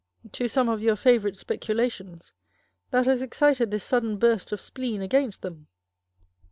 to some of your favourite speculations, that has excited this sudden burst of spleen against them